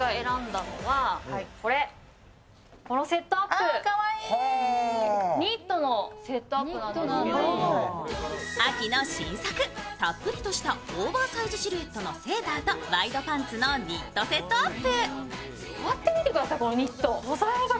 シルエット秋の新作、たっぷりとしたオーバーサイズシルエットのセーターとワイドパンツのニットセットアップ。